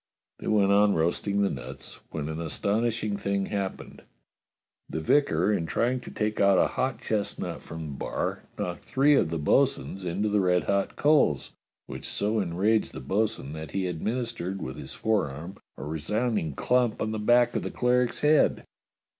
They went on roasting the nuts, when an aston ishing thing happened: The vicar, in trying to take out a hot chestnut from the bar, knocked three of the bo'sun's into the red hot coals, which so enraged the bo'sun that he administered with his forearm a resound ing clump on the back of the cleric's head.